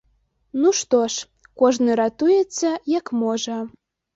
Ну што ж, кожны ратуецца як можа.